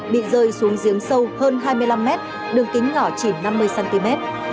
bị rơi xuống giếng sâu hơn hai mươi năm m đường kính ngỏ chỉ năm mươi cm